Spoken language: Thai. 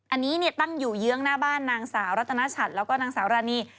อันนี้ตั้งอยู่เยื้องหน้าบ้านนางสาวรัตนชัดแล้วก็นางสาวรานี